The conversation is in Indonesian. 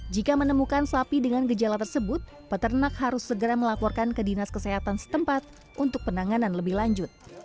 jika menemukan sapi dengan gejala tersebut peternak harus segera melaporkan ke dinas kesehatan setempat untuk penanganan lebih lanjut